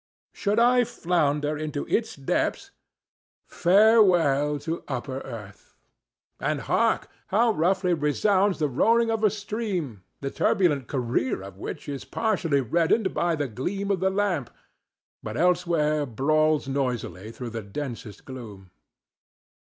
Should I flounder into its depths, farewell to upper earth! And hark! how roughly resounds the roaring of a stream the turbulent career of which is partially reddened by the gleam of the lamp, but elsewhere brawls noisily through the densest gloom!